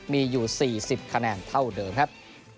มีอยู่๔๐คะแนนเท่าเดิมครับ